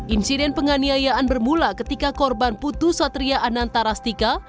insiden penganiayaan bermula ketika korban putu satria ananta rastika